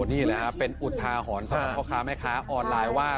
นี่นะคะเป็นอุทาหอนศาลก้าวข้าแม่คะออนไลน์ว่า